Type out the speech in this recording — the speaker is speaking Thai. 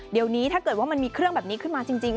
เดี๋ยวนี้ถ้าเกิดว่ามันมีเครื่องแบบนี้ขึ้นมาจริง